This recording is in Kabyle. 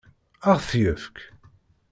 Ad ɣ-t-yefk?